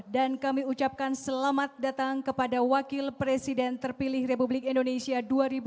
dan kami ucapkan selamat datang kepada wakil presiden terpilih republik indonesia dua ribu dua puluh empat dua ribu dua puluh sembilan